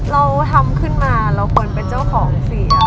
เราทำขึ้นมาเราควรเป็นเจ้าของเสีย